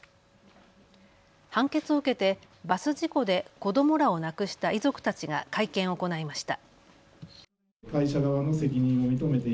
判決を受けてバス事故で子どもらを亡くした遺族たちが会見を行いました。